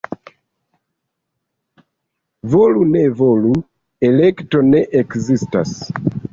Volu-ne-volu, — elekto ne ekzistas.